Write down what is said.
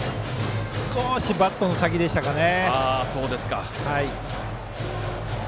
少しバットの先でしたかね。